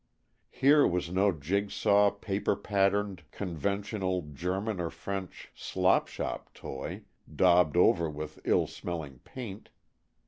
Here was no jig saw, paper patterned, conventional German or French slopshop toy, daubed over with ill smelling paint.